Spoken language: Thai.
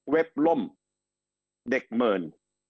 เว็บล่มเด็กเมิน